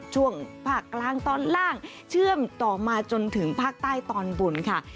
ช่วงภาคกลางตอนล่างเชื่อมต่อมาจนถึงภาคใต้ตอนบนค่ะ